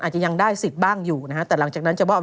อาจจะยังได้สิทธิบ้างอยู่นะคะ